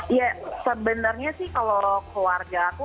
ya sebenarnya sih kalau keluarga aku